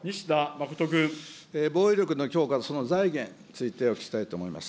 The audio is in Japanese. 防衛力の強化とその財源についてお聞きしたいと思います。